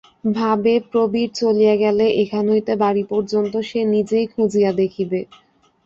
ভাবে, প্রবীর চলিয়া গেলে এখান হইতে বাড়ি পর্যন্ত সে নিজেই খুঁজিয়া দেখিবে।